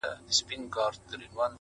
څه دي راوکړل د قرآن او د ګیتا لوري.